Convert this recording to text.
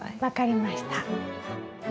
分かりました。